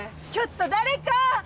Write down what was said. ちょっと誰か！